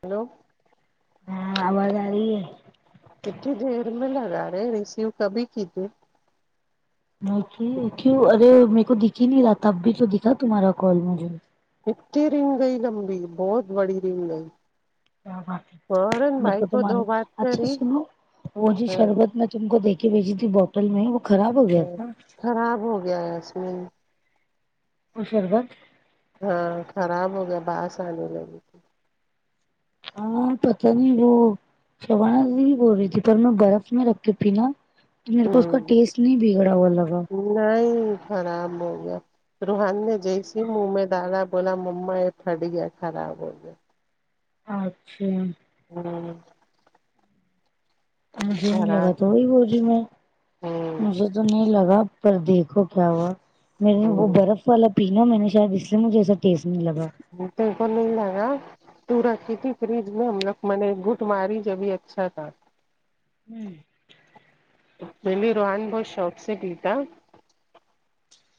Hello ہاں امرداری ہے اتنی دیر میں لگا رہے ریسیو کبھی کیج تے اک کیوں ارے میرے کو دکھ ہی نہیں رہا اب بھی تو دکھا تمہارا کال مجھے ای رنگ گئی لمبی بہت بڑی رنگ گئی فورن میرے بھائی کو تو مان دو بات اچھا کری سنو وہ جی ہاں شربت میں تم کو دیکھے بیچی تھی بوٹل میں وہ خراب ہو گیا ہاں تھا خراب ہو گیا ہے اس میں مشرباد ہاں خراب ہو گیا باس آنے لگی ہاں پتا نہیں وہ شبانا بول رہی تھی پر میں برف میں رکھتی پینا میرے کو اس کا ہوں ٹیسٹ نہیں بگڑا ہوا لگا نہیں خراب ہو گیا روحان نے جی س منہ میں دادا بولا ما یہ پڑییا خراب ہو گیا اچھا ہوں مجھے نہیں لگا خراب تو وہی بو جی میں ہوں مجھے تو نہیں لگا پر دیکھو کیا ہوا میرے نے وہ برف والا پینا میں نے شاید اس لیے مجھے ایسا ٹیسٹ نہیں لگا تو کو نہیں ل گا تو رکھی تھی فریج میں ہم لوگ میں نے گٹ ماریج ابھی اچھا تھا [unintelligible] ہوں [unintelligible] میں بھی روحان بہت شوق سے پ تھا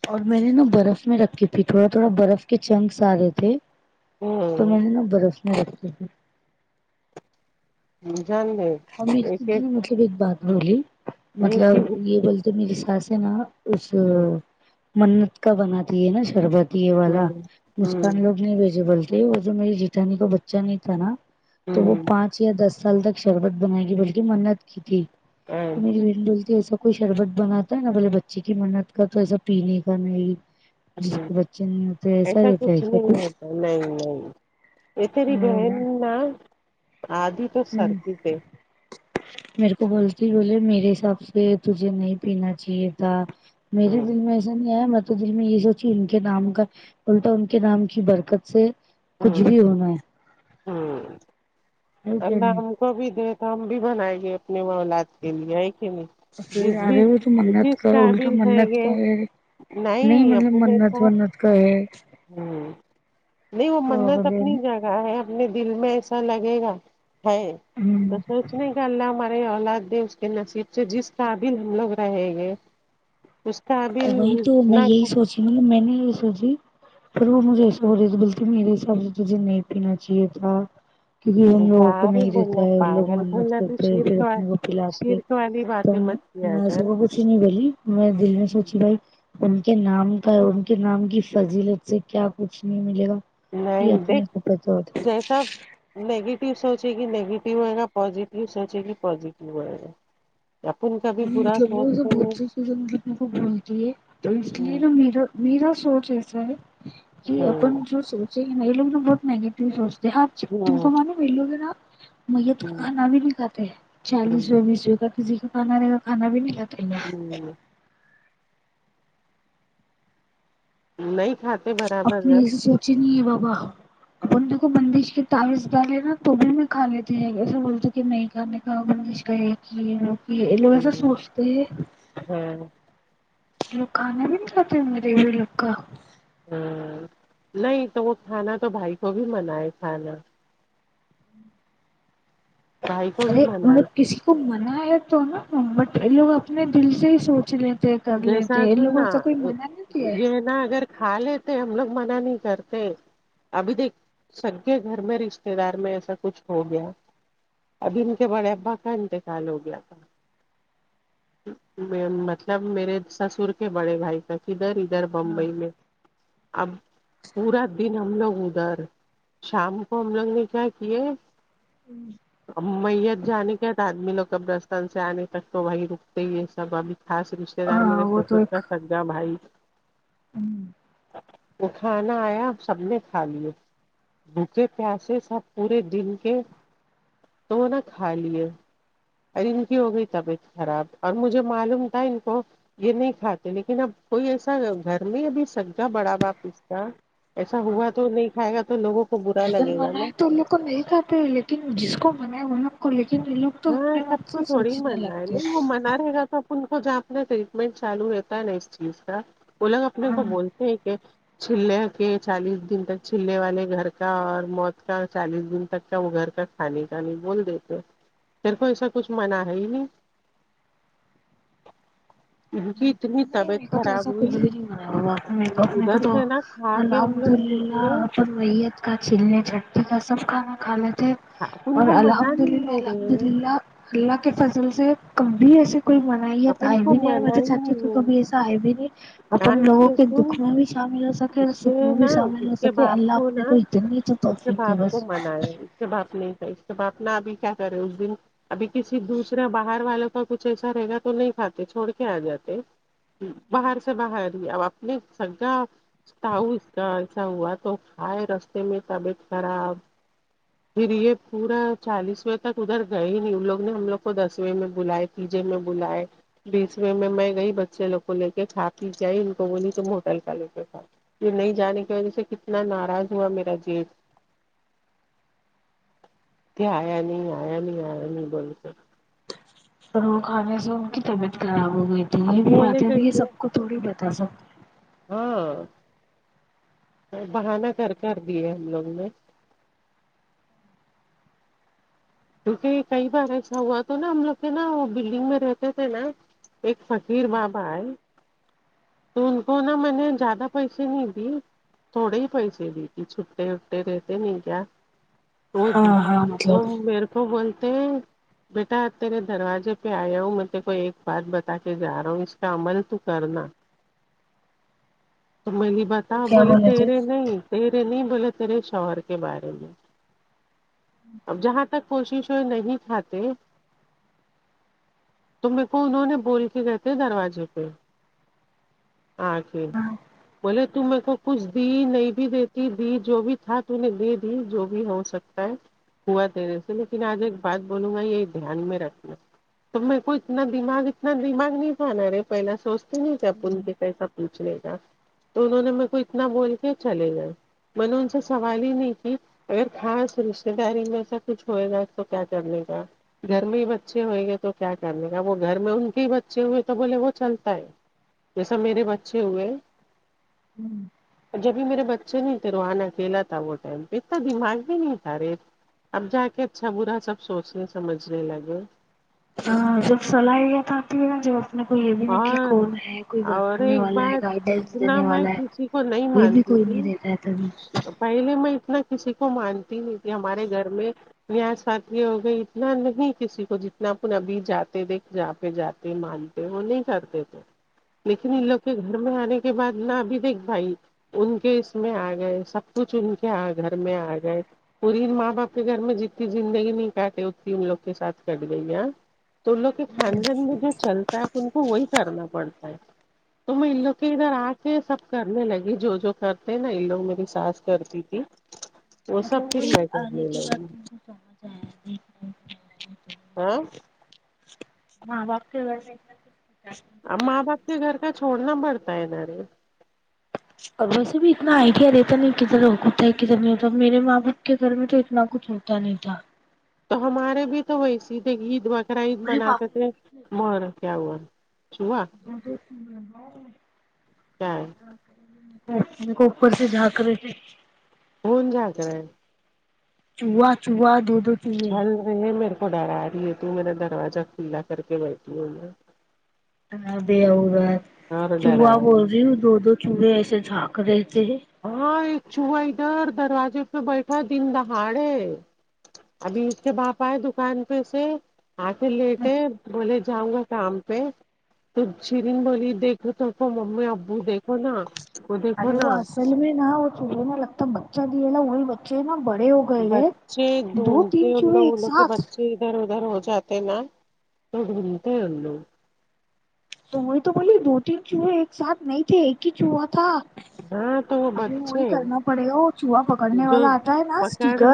اور میں نے نا برف میں رکھی تھی تھوڑا تھوڑا برف کے چنکس آ رہے تھے تو ہ میں نے نا برف میں رکھھی تھی م جانے [unintelligible] اور میریی نے مطلب ایک بات بولی ایک مطلب ہی یہ بولتے میری سس سے نا اس ہوں منت کا بناتی ہے نا شربت والا ہوں مسکان لوگ نہیں بھیجے بولتے وہ جو میری جیٹھانی کا بچہ نہیں تھا نا تو وہ ہوں پانچ یا دس سال تک شربت بنائے گی بلکہ منت کی تھی تو میری بھیڑ ڈلتی ہے ہو سب کو کوئی شربت بناتا ہے نا بولے بچے کی منت کا تو ایسا پینے کا نہیں [unintelligible] جس ہ کے بچے نہیں ہوتے ایسا رہتا ہے کچھ کیا نہیں رہتا نہیں نہیں ا تری بہن نہا آدھی تو ہوں سرک تھ میرے کو بولتی بولے میرے حساب سے تجھے نہیں پینا چاہیے تھا میرے دل میں ایسا نہیں ہے مب تو دل میں یہ سوچی ان کے نام کا الٹا ان کے نام کی برکت سے [unintelligible] کھ بھی ہونا ہے ہوں [unintelligible] ہے کیا اللہ نہیں ہم کو بھی دے تو ہم بھی بنائےیں گے اپنے مولاد کے لیے ہے کہ نہیں اے جس بھی ارے ب ت منن جس کر الٹا قابل منن رہیں گے کا نہیں مطلب اپنے منت کا ونت کاے ہ نہیں وہ منات بولے اپنی جائے ہے اپنے دل میں ایسا لگے گا ہے ہوں [unintelligible] تو سوچنے کا اللہ ہمارے اولاد اس کے نصیب سے جس قابل ہم لوگ رہےیں گے اس کا اب نہ ج مین ر سو جی پھر وہ مجھے ایسے ہو رہی تھی بکہ میرے حساب سے تجھے نہیں پینا چاہیے تھا کیونکہ ان لوگوں کو جارے نہیں دیتا بولنا ہے ان لوگ پاگل منت بولنا تو کرتے شیر پھر کا اپنے کو پلاتے شرک والی تو باتیں مت کیا میں کر سب پوچ نہیں بلی میں دل میں سوچ بھائی ان کے نام کا ان کے نام کی فضیلت سے کیا کچھ نہیں ملے گا یہ نہیں اپنے کو پتا ہو تھا نگیٹیو سوچے گی نیگیٹو آئے گا پوازیٹیو سوچے گی پازیٹیو ہوئے گا اپن کبھی برا مطلب وہ سب سوچتے نہیں بہت سی چیزیں مطلب میر کو بولتی ہے تو اس لیے ن میرا میرا سوچ ایسا ہے ہ کہ ہ اپن جو سوچیں گے ن لوگ بہت نگیٹو سوچ [unintelligible] جی ہاں تم ہ کو مان م لوگ نا م تو ہ کانا بھی نہیں کاتے ہیں ہ چالیسو بیسو کا کسی کا کھا رہے گا کانا بھی نہیں کاتا ہے ہوں [unintelligible] نہیں کھاتا اپ نے ایسے سوچے نہیں ہے بابا ان کو بندش کے تعوز ڈالے نا تو بھی میں کھا لیتی ایسے بولتے کہ نہیں کھانے [unintelligible] ہ گگش کا یہ کہو لوگ ایسا سوچتے ہیں ہوں [unintelligible] لوگ کھانا بھی نہیں جاتے غریبی لوگ کا ہ نہیں تو وہ کھانا تو بھائی کو بھی من ہے کھانا بھائی کو بھی ارے منع مطلب ہے کسی کو من ہے تو نا بٹ لوگ اپنے دل سے ہی سوچ لیتے کر ل جیسا یہ سننا ل سے کوئی منا نہیں آئے یہ اگر ہاں لیتے ہم لوگ منع نہیں کرتے ابھی دیکھ سب کے گھر میں رشتے دار میں ایسا کچھ ہو گیا ابھی ان کے بڑے ابا کا انتقال ہو گیا تھا مت جب میرے سسر کے بڑے بھائی تک ادھر ادھر ہاں بمبئی میں اب پورا دن ہم لوگ ادھر شام کو ہم لوگ نے کیا کیے [inaudible] میت جانے کے آدمی لوگ کب دستان سے آنے تک تو وہی رکتے یہ سب ابھی خاص رشتے دار ہاں میرے ستا سگا بھائی ہوں وہ کھانا آیا سب نے کھا لیا بھوکے پیاسے سب پورے دن کے تو نا کھا لیے ارے ان کی ہو گئی طبیعت خراب اور مجھے معلوم تھا ان کو یہ نہیں کھاتے لیکن اب کوئی ایسا گھر میں ابھی سگا بڑا باپس کا ایسا ہوا تو نہیں کھائے گا تو لوگوں کو برا اگر لگے گا نا منائے تو ان لوگ کو نہیں کہتے لیکن جس کو منائے وہ لوگ کو لیکن ان لوگ تو ہاں اپنے سب من کو سے تھوڑی سوچنے من ہے لگتے نہیں وہ من رہے گا تو ان کو جہ اپنا ٹریٹمنٹ چالو رہتا ہے نا اس چیز کا وہ لگ اپنے ہاں کو بولتے ہیں کہ چلے کے چالیس دن تک چلے والے گھر کا اور موت کا چالیس دن تک کا وہ گھر کا خانی ک نہیں بول دی تھ میر کو ایسا کچھ مناع ہے ہی نہیں اتنی نہیں میک طبیعت تو خراب ایا کھ ہوئی بھی نہیں منا ہے بابا اپ میں ادھر تو سے نا کھا کے ہم الحمد لوگ نکلے اللہ ریت کا چلنے چھٹی کا سب کھانا کھانے تھے اپن اور کو منع الحمد نہیں للہ ہو رہے الحمد ہیں للہ اللہ کے فضل سے کبھی ایس کوئی من میں تھا ہے اپن کو نہیںیر منع مجے ہی چچی نہیں ہے کبھی ایسا ہےئے بھی نہیں ہاں اپن اس لوگوں کے سن دکھ میں بھی شامل ہو سکے اور اس کے سکھ میں نا بھی شامل ہو اس سک کے سکے اللہ باپ اپنے نا کو اتنی تو توفیقے بس سے باپ نہیں تھا اس باپنا ابھی کیا کرے اس دن ابھی کسی دوسرے باہر والوں کا کچھ ایسا رہے گا تو نہیں کاتے چھوڑ کے آ جاتے باہر سے باہر ہی اب اپنے سگا تؤ اس کا ایسا ہوا تو کھائے رستے میں طبیعت خراب پھر یہ پورا چالیسویں تک ادھر گئے ہی نہیں ان لوگ نے ہم لوگ کو دسویں میں بلائے پیجے میں بلائے بیسوے میں گئی بچے لوگ کو لے کے کھا پی جئی ان کو وہلی تم ہوٹل کا لے کے کھ یہ نہیں جانے کی وجہ سے کتنا ناراض ہوا میرا جیب آیا نہیں آیا نہیں آیا نہیں بولتے اور وہ کھانے سے ان کی طبیعت خراب ہو گئی تو اب یہ بھی بولے باتیں یہ کیسے سب کو تھوڑی بتا سک ہاں بہانا کر کر دیے ہم لوگ نے کیونکہ کئی بار ایسا ہوا تو نا ہم لوگ تھ نا وہ بلڈنگ میں رہتے تھے نا ایک فقیر بابا ہے تو ان کو نا میں نے زیادہ پیسے نہیں دی تھوڑے ہی پیسے دیتی چھٹے اٹھتے رہتے نہیں کیا وہ د ہاں ہاں تو مطلب میرے کو بولتے ہیں بیٹا تیرے دروازے پہ آیا ہوں میں کو ایک بات بتا کے جا رہا ہوں اس کا عمل تو کرنا تو میں نہیں تو بتا کیا بولے تھے تیرے نہیں ترے نہیں بولے ترے شوہر کے بارے میں اب جہاں تک کوشش نہیں کھاتے تو میرے کو انہوں نے بول کے کہئےتے دروازے پہ ہچھی ہاں بولے ت میرے کو کچھ دی نہیں بھی دیتی دی جو بھی تھا تو نے دے دی جو بھی ہو سکتی ہوا تیرے سے لیکن آج ایک بات بولوں گا یہ دھیان میں رکھنا تو میرے کو اتنا دماغ اتنا دماغ نہیں جانا رہے پہلا سوچتے نہیں تھے آپ ان کے کیسا پوچھنے کا تو انہوں نے میر کو اتنا بول کے چلے گئے میں نے ان سے سوال ہی نہیں کہ اگر خاص رشتے داری میں سا کچھ ہوئے گا اس تو کیا کرنے کا گھر میں ہی بچے ہوئیں گے تو کیا کرنے کاا وہ گھر میں ان کے ہی بچے ہوئے تو بولے وہ چلتا ہے جیسا میرے بچے ہوئے ہوں جبھی میرے بچے نہیں تھے روحان اکھیلا تھا وہ ٹائم پہ اتنا دماغ میں نہیں تھا رے اب جا کے اچھا برا سب سوچنے سمجھنے لگے ہاں سپ سل ہی گ تھا آتی گا جو اپ کو یہ بھی ن کہ اور کون ہے کوئی اور بنانے ایک والا ہے بات گائیڈینس اتنا دینے میں والا ہے کسی کو نہیں یہ بھی مانتی کوئی تھی نہیں رہتا ہے تبھی پہلے میں اتنا کسی کو مانتی نہیں کہ ہمارے گھر میں یاس ساتھی ہو گئی اتنا نہیں کسی کو جتنا اپن ابھی جاتے دیکھ جااں پہ جاتے مانتے وہ نہیں کرتے تھے لیکن ان لوگ کے گھر میں آنے کے بعد نہ ابھی دیک بھائی ان کے اس میں آ گئے سب کچھ ان کے گھر میں آ گئے پوری ماں باپ کے گھر میں جتنی زندگی نہیں کاٹ اتتی ان لوگ کے ساتھ کٹ گئی ہے تو ان لوگ کے خاندان میں جو چلتا ہے آ ان کو وہی کرنا پڑتا ہے تو میں ان لوگ کے ادھر آ کے سب کرنے لگی جو جو کرتے نا ان لوگ میری سانس کرتی تھی [inaudible] مطلب پھر وہی میں آنے کرنے کے لگی بعد تم کو سمجھ آیا ہاں ماں باپ کے میں ماں باپ کے گھر کا چھڑنا مرتا ہے نارے اور ویسے بھی اتنا آئیڈیا رہتا نہیں کدھر ہو ہوتا ہے کدھر نہیں ہوتا میرے ماں باپ کے گھر میں تو اتنا کچھ ہوتا د نہیں تھا تو ہمارے بھی تو ویسے ہی تھے کہ عید بکرہ عید ارے باپ مناتے تھے مر گیا وہ چوہا [inaudible] کیا ہے کو اوپر سے جھانک رہے تھ ہون جا کر رہ ہے چوا چوہا دودھ چل رہی ہے میرے کو ڈرا رہی ہے تو میرا دروازہ کھلا کر کے بیٹھی ہووں میں ب اور اور ڈرا چوہا بول ہے۔ رہی ہوں دو دو چوہے ایسے جھاانک رہتے ہیں ہاں ایک چوہا ادھر دروازے پہ بیٹھا دن دہاڑے ابھی اس کے باپ آئے دکان پہ سے آ کے لیٹ میں ہے بولے جاؤں گا کام پہ تو چرین بلی دیکھو تو کو ممی ابو دیکھو نا وہ دیکھو ارے نا وہ اصل میں نا وہ چجے نا لگتا ہے بچہ دیا لا وہی بچے ہیں نا بڑے ہو گئے لے بچے دو ڈھونڈتے تین ان چوہے لوگ ایک انو کے ساتھ بچے ادھر ادھر ہو جاتے نا تو ڈھونڈتے ہیں ان لوگ تو وہی تو بولیے دو تین چوہے ایک ساتھ نہیں تھے ایک ہی چوہا تھا ہاں تو وہ ابھی وہی بچے کرنا پڑے گا وہ چوہا پکڑنے جو والا آتا ہے نا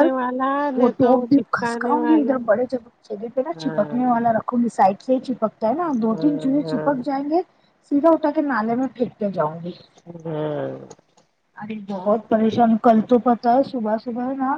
ر والا وہ نہیں تو ٹوپ بھی چپکانے کھسکاؤں گی والا ادھر بڑے جگہ پہ نا ہاں چپکنے والا سائڈ سے ہی چپکتا ہے نا دو تین ہاں چوہے چپ ہاں ائیں گے سیدھا اٹھا کے نالے میں پھینک کے جاؤں گی ہوں ارے بہت پریشان کل تو پتہ ہے صبح صبح ہے نا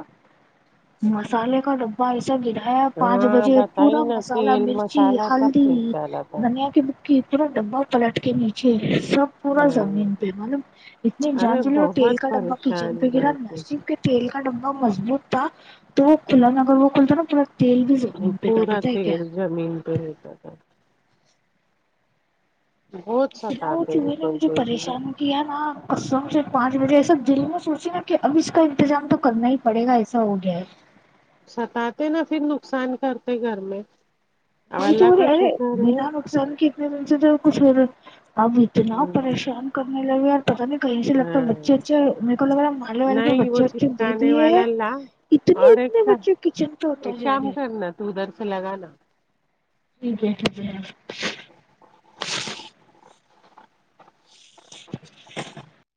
مسالے کا ڈبا جب گرایا پانچ ہاں بجے بتائی پورا نا مسالہ تیل مرچی مسالہ سب ہلدی پھینک ڈالا تھا دھنیا کی بککی پا ڈبا پلٹ کے نیچے سب پورا ہاں زمین پہ مطلب اتنی جان ارے چلے اور تیل بہت کا ڈبہ کچن پہ پریشان گرا کرتے نسجک تیل کا ڈبا مضبوط تھا تو وہ کھلا اگر وہ کھلتا نا پورا تیل بھی پٹا پورا بت کیا تیل زمین پہ ل کر بہت اتنا ہو ستاتے چے ہیں نا کوئی مجھے کوئی دن پریشان ہو نا ک س سے پانچ بجے ایسا دل میں سوچی نا کہ اب اس کا انتظام تو کرنا ہی پڑ گا ایسا ہو گیا ہے ستاتے نا پھر نقصان کرتے گھر میں اب وہی تو اللہ کا اے شکر ہے بنا نقصان کے اتنے دن سے تو کچھ اور اب اتنا ہ پریشان کرنے لگے یار پتا نہیں کہیں سے لگتا ہے بچے ہاں اچے میرے کو لگ رہا مالے والے کے نہیں وہ بچے اچے دے چپکانے دیے ہیں والا لا اتنے اور ایک اتنے کام بچے کچن پہ ایک اتر جا رہے کام ہیں کرنا تو ادھر سے لگانا ٹھیک ہے ٹھیک ہے ی [inaudible]